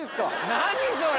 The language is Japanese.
何それ！